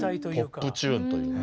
ポップチューンというね。